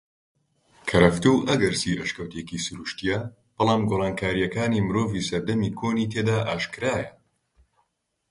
کەرەفتوو ئەگەرچی ئەشکەوتێکی سرووشتیە بەلام گۆڕانکاریەکانی مرۆڤی سەردەمی کۆنی تێدا ئاشکرایە